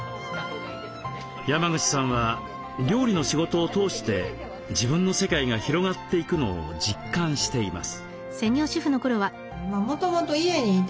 山口さんは料理の仕事を通して自分の世界が広がっていくのを実感しています。